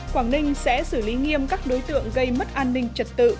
quảng ninh sẽ xử lý nghiêm các đối tượng gây mất an ninh trật tự